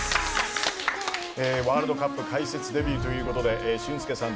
ワールドカップ解説デビューということで俊輔さん